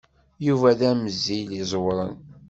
Yuba d amzil iẓewren.